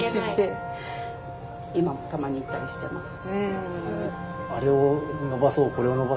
今もたまに言ったりしてます。